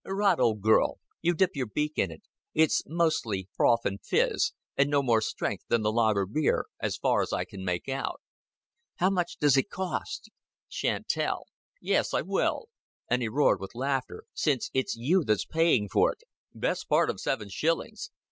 "Rot, old girl. You dip your beak in it it's mostly froth and fizz, and no more strength than the lager beer, as far as I can make out." "How much does it cost?" "Shan't tell. Yes, I will," and he roared with laughter, "since it's you that's paying for it. Best part of seven shillings."